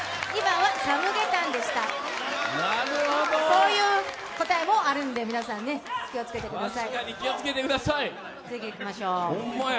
こういう答えもあるんで、皆さん、気をつけてください。